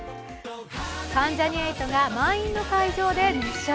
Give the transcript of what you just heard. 関ジャニ∞が満員の会場で熱唱。